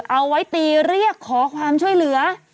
เอาไว้ตีเรียกขอความช่วยเหลือ